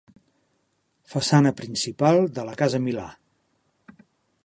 Façana principal de la Casa Milà.